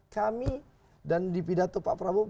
kami dan dipidato pak prabowo